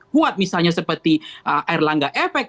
kuat misalnya seperti erlangga efek